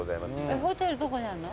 ホテルどこにあんの？